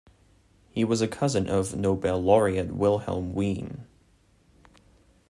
He was a cousin of Nobel laureate Wilhelm Wien.